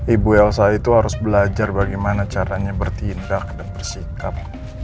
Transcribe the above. ibu elsa itu harus belajar bagaimana caranya bertindak dan bersikap